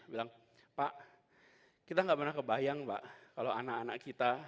bilang pak kita gak pernah kebayang pak kalau anak anak kita